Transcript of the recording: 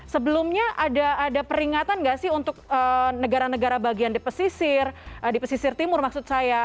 sebelumnya ada peringatan nggak sih untuk negara negara bagian di pesisir di pesisir timur maksud saya